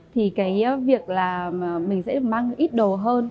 thì việc mình sẽ mang ít đồ hơn